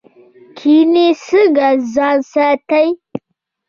کینې څخه ځان ساتئ